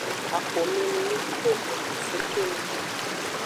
Axomenunya tovono sukununya.